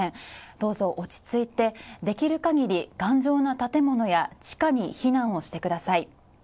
どうぞ落ち着いて、できる限り頑丈な建物や地下に避難をしてください。